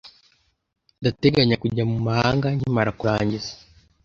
Ndateganya kujya mu mahanga nkimara kurangiza.